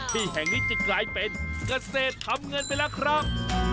ที่แห่งนี้จะกลายเป็นเกษตรทำเงินไปแล้วครับ